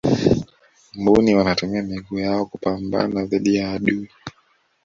mbuni wanatumia miguu yao kupambana dhidi ya adui